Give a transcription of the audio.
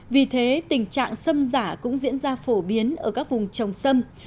vì thế tình trạng sâm giả cũng diễn ra phổ biến ở các vùng trồng sâm